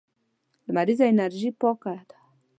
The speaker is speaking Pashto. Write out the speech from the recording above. لمريزه انرژي پاکه ده.